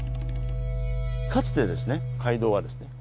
かつてですね街道はですね